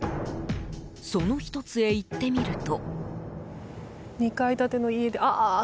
その１つへ行ってみると。